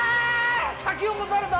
先を越された！